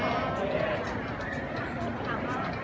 มันเป็นสิ่งที่จะให้ทุกคนรู้สึกว่า